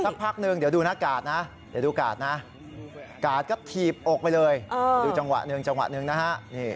สักพักนึงเดี๋ยวดูนะกาดนะกาดก็ถีบอกไปเลยดูจังหวะนึงจังหวะนึงนะฮะ